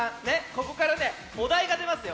ここからねおだいがでますよ。